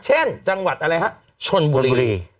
เช่นจังหวัดอะไรฮะชนบุรี